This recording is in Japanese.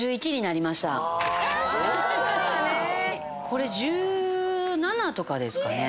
これ１７とかですかね。